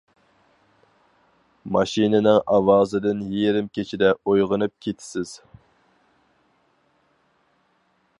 ماشىنىنىڭ ئاۋازىدىن يېرىم كېچىدە ئويغىنىپ كېتىسىز.